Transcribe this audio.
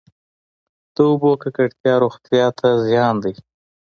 د اوبو ککړتیا روغتیا ته زیان دی.